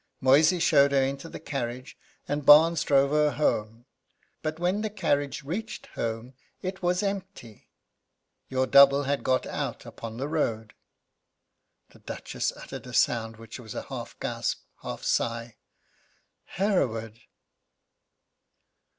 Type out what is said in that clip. Moysey showed her into the carriage, and Barnes drove her home. But when the carriage reached home it was empty. Your double had got out upon the road." The Duchess uttered a sound which was half a gasp, half sigh: "Hereward!"